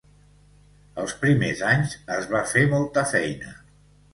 Els primers anys es va fer molta feina.